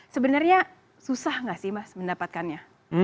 sebenarnya susah nggak sih mas mendapatkannya